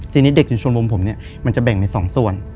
ทีนี้เด็กในชมรมผมเนี่ยมันจะแบ่งใน๒ส่วน